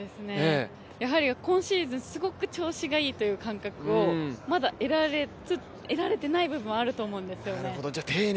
やはり今シーズンすごく調子がいいという感覚をまだ得られていない部分があると思うんですよね。